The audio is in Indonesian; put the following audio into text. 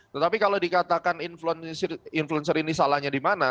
tetapi kalau dikatakan influencer ini salahnya di mana